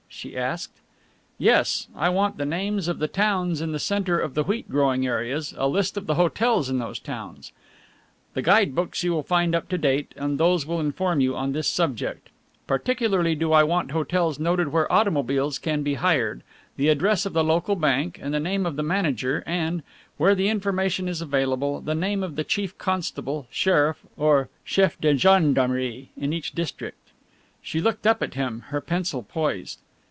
she asked. "Yes I want the names of the towns in the centre of the wheat growing areas, a list of the hotels in those towns. The guide books you will find up to date, and these will inform you on this subject. Particularly do I want hotels noted where automobiles can be hired, the address of the local bank and the name of the manager and, where the information is available, the name of the chief constable, sheriff or chef d'gendarmerie in each district." She looked up at him, her pencil poised.